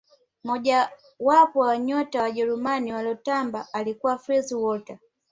moja wapo ya nyota wa ujerumani waliyotamba alikuwa fritz walter